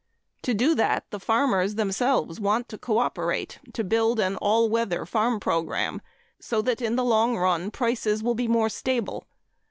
To do that, the farmers themselves want to cooperate to build an all weather farm program so that in the long run prices will be more stable.